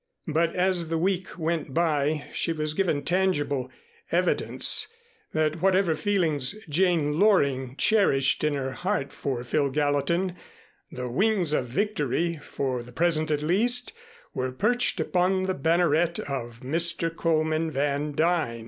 But as the week went by she was given tangible evidence that whatever feelings Jane Loring cherished in her heart for Phil Gallatin, the wings of victory, for the present at least, were perched upon the banneret of Mr. Coleman Van Duyn.